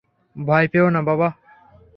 ভয় পেয়ো না, বাবা!